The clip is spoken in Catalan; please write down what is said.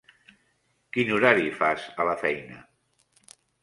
Quin horari fas, a la feina?